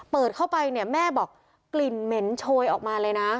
เปิดเข้าไปเนี่ยแม่บอกกลิ่นเหม็นโชยออกมาเลยนะ